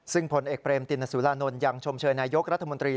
ซึ่งผลเอกเบรมตินสุรานนท์ยังชมเชยนายกรัฐมนตรี